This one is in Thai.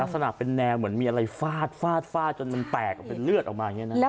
ลักษณะเป็นแนวเหมือนมีอะไรฟาดฟาดฟาดจนมันแตกออกเป็นเลือดออกมาอย่างนี้นะครับ